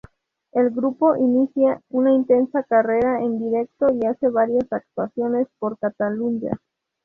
El grupo inicia una intensa carrera en directo y hace varias actuaciones por Catalunya.